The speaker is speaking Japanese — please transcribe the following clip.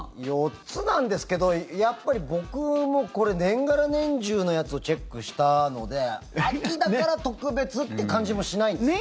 ４つなんですけどやっぱり僕もこれ年がら年中のやつをチェックしたので秋だから特別って感じもしないです。